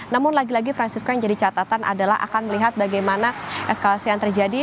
namun lagi lagi francisco yang jadi catatan adalah akan melihat bagaimana eskalasi yang terjadi